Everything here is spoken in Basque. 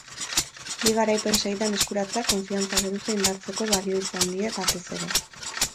Bi garaipen segidan eskuratzeak konfiantza geruza indartzeko balio izan die batez ere.